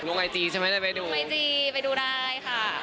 ไอจีใช่ไหมเลยไปดูไอจีไปดูได้ค่ะ